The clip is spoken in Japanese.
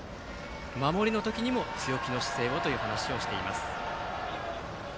守りの時にも強気の姿勢をという話をしています。